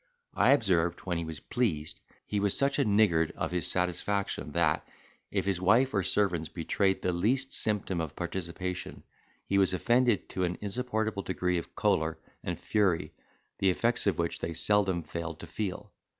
I observed, when he was pleased, he was such a niggard of his satisfaction that, if his wife or servants betrayed the least symptom of participation, he was offended to an insupportable degree of choler and fury, the effects of which they seldom failed to feel.